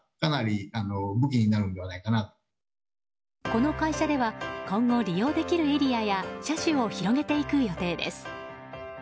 この会社では今後利用できるエリアや車種を広げていく予定です。